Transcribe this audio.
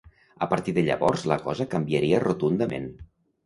A partir de llavors la cosa canviaria rotundament.